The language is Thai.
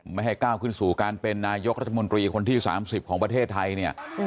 ไม่ให้ก้าวขึ้นสู่การเป็นนายกรัฐมนตรีคนที่๓๐ของประเทศไทยเนี่ย